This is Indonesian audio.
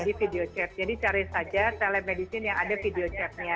jadi video chat jadi cari saja telesmedicine yang ada video chatnya